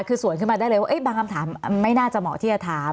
คือสวนขึ้นมาได้เลยว่าบางคำถามไม่น่าจะเหมาะที่จะถาม